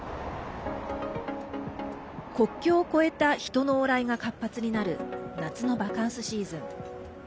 国境を越えた人の往来が活発になる夏のバカンスシーズン。